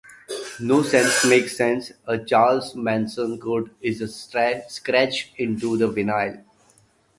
"No sense makes sense", a Charles Manson quote, is scratched into the vinyl.